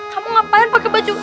kamu ngapain pakai baju